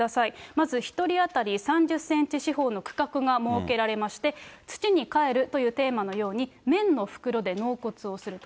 まず１人当たり３０センチ四方の区画が設けられまして、土にかえるというテーマのように、綿の袋で納骨をすると。